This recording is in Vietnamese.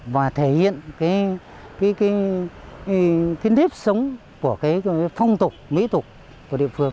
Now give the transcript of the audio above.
và thể hiện cái nếp sống của cái phong tục mỹ tục của địa phương